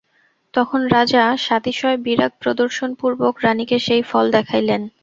তখন রাজা সাতিশয় বিরাগ প্রদর্শনপূর্বক রাণীকে সেই ফল দেখাইলেন।